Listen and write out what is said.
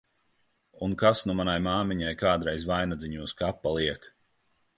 Un kas nu manai māmiņai kādreiz vainadziņu uz kapa liek!